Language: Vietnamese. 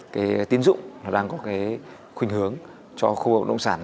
cái tiến dụng nó đang có cái khuyến hướng cho khu bóng bất động sản